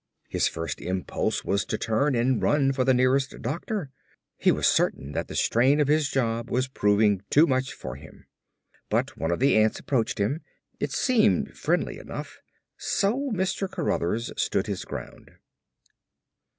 His first impulse was to turn and run for the nearest doctor. He was certain that the strain of his job was proving too much for him. But one of the ants approached him. It seemed friendly enough, so Mr. Cruthers stood his ground.